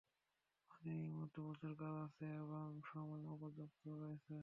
আমাদের এই মুহূর্তে প্রচুর কাজ আছে এবং সময়ও অপর্যাপ্ত রয়েছে।